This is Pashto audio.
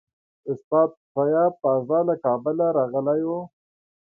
استاد سیاف تازه له کابله راغلی وو.